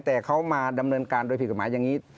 แต่เขามาดำเนินการโดยผิดกฎหมายอย่างนี้